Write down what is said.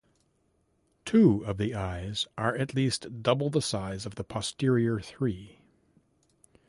Two of the eyes are at least double the size of the posterior three.